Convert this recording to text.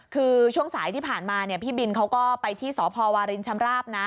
คือช่วงสายที่ผ่านมาเนี่ยพี่บินเขาก็ไปที่สพวารินชำราบนะ